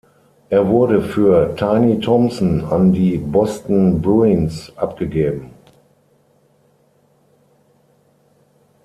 Er wurde für Tiny Thompson an die Boston Bruins abgegeben.